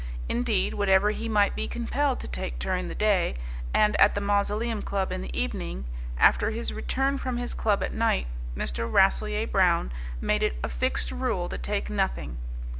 Indeed, whatever he might be compelled to take during the day, and at the Mausoleum Club in the evening, after his return from his club at night Mr. Rasselyer Brown made it a fixed rule to take nothing.